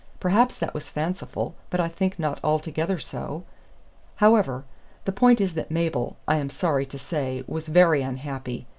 Perhaps that was fanciful, but I think not altogether so. However, the point is that Mabel, I am sorry to say, was very unhappy.